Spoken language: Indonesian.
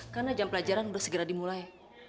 karena jam pelajaran udah segera dimulai